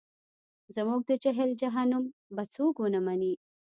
زموږ د جهل جهنم به څوک ونه مني.